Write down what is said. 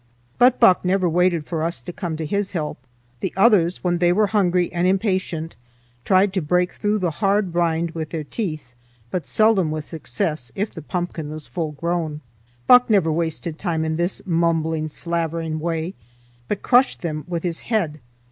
But Buck never waited for us to come to his help. The others, when they were hungry and impatient, tried to break through the hard rind with their teeth, but seldom with success if the pumpkin was full grown. Buck never wasted time in this mumbling, slavering way, but crushed them with his head.